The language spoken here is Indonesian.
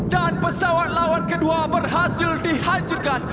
dan pesawat lawan kedua berhasil dihancurkan